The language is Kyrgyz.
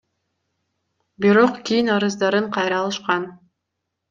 Бирок кийин арыздарын кайра алышкан.